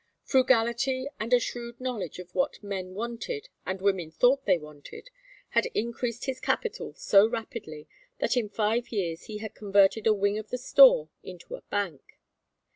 Frugality and a shrewd knowledge of what men wanted and women thought they wanted had increased his capital so rapidly that in five years he had converted a wing of the store into a bank.